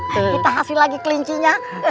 kita hasil lagi kelincinya